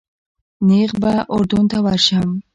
نیغ به اردن ته ورشم.